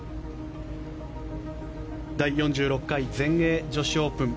第４６回全英女子オープン。